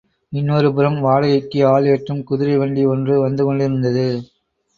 இன்னொரு புறம் வாடகைக்கு ஆள் ஏற்றும் குதிரை வண்டி ஒன்று வந்து கொண்டிருந்தது.